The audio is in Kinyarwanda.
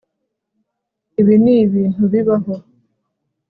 Ibi nibintu bibaho